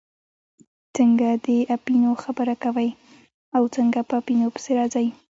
څنګه د اپینو خبره کوئ او څنګه په اپینو پسې راځئ.